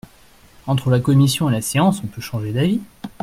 Entre la commission et la séance, on peut changer d’avis.